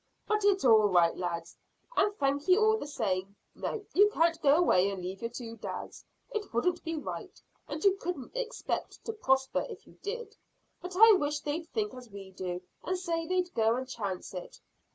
But it's all right, lads, and thankye all the same. No, you can't go away and leave your two dads; it wouldn't be right, and you couldn't expect to prosper if you did. But I wish they'd think as we do, and say they'd go and chance it.